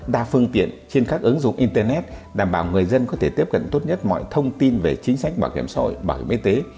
đa phương tiện trên các ứng dụng internet đảm bảo người dân có thể tiếp cận tốt nhất mọi thông tin về chính sách bảo hiểm xã hội bảo hiểm y tế